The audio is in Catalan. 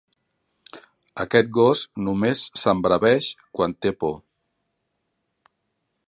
Aquest gos només s'embraveix quan té por!